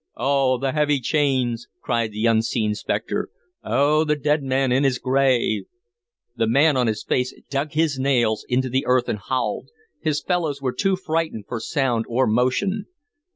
"Oh, the heavy chains!" cried the unseen spectre. "Oh, the dead man in his grave!" The man on his face dug his nails into the earth and howled; his fellows were too frightened for sound or motion.